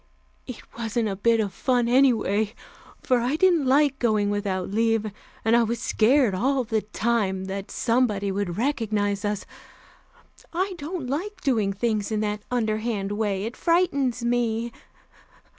It wasn't a bit of fun, anyway, for I didn't like going without leave, and I was scared all the time that somebody would recognize us. I don't like doing things in that underhand way; it frightens me.